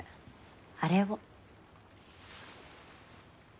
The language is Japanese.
あれを。